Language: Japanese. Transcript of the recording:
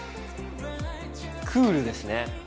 クールですね。